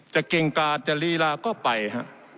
เก่งกาดจะลีลาก็ไปฮะ